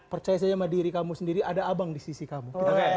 percaya saja sama diri kamu sendiri ada abang di sisi kamu